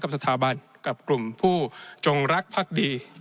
สถาบันกับกลุ่มผู้จงรักภักดี